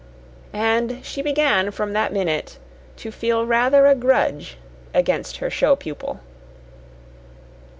And she began from that minute to feel rather a grudge against her show pupil.